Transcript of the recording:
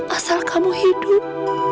asal kamu hidup